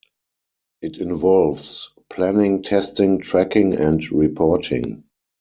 It involves planning, testing, tracking and reporting.